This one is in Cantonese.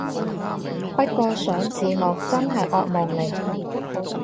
不過上字幕真係惡夢嚟